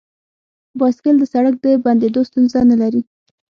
بایسکل د سړک د بندیدو ستونزه نه لري.